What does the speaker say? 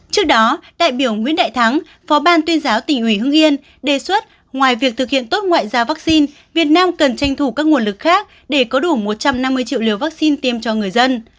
trước đó đại biểu nguyễn đại thắng phó ban tuyên giáo tỉnh ủy hương yên đề xuất ngoài việc thực hiện tốt ngoại giao vaccine việt nam cần tranh thủ các nguồn lực khác để có đủ một trăm năm mươi triệu liều vaccine tiêm cho người dân